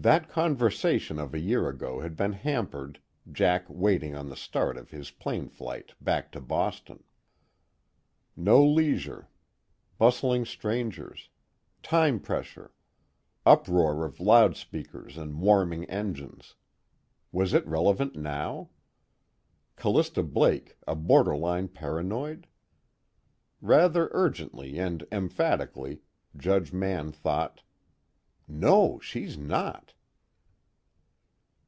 That conversation of a year ago had been hampered, Jack waiting on the start of his plane flight back to Boston; no leisure, bustling strangers, time pressure, uproar of loudspeakers and warming engines. Was it relevant now? Callista Blake a borderline paranoid? Rather urgently and emphatically, Judge Mann thought: _No, she's not.